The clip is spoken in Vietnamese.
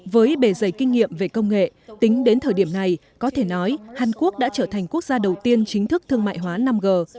với bề dày kinh nghiệm về công nghệ tính đến thời điểm này có thể nói hàn quốc đã trở thành quốc gia đầu tiên chính thức thương mại hóa năm g